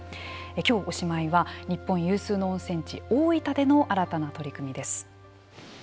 今日、おしまいは日本有数の温泉地大分での新たな取り組みです。